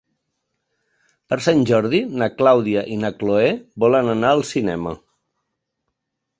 Per Sant Jordi na Clàudia i na Cloè volen anar al cinema.